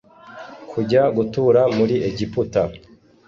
kujya gutura muri Egiputa.